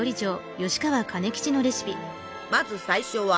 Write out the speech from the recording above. まず最初は。